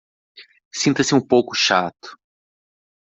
Sinta-se um pouco chato